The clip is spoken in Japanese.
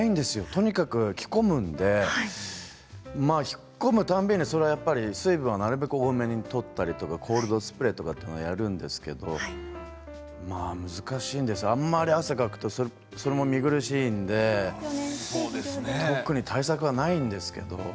とにかく着込むので引っ込むたんびに水分はなるべく多めにとったりとかコールドスプレーはやるんですけど難しいんです、あまり汗をかくとそれも見苦しいので特に対策はないんですけど。